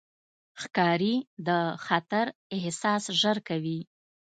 ښکاري د خطر احساس ژر کوي.